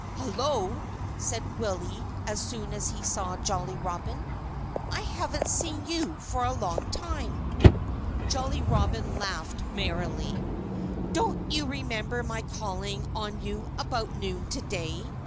"Hullo!" said Willie as soon as he saw Jolly Robin. "I haven't seen you for a long time." Jolly Robin laughed merrily. "Don't you remember my calling on you about noon to day?"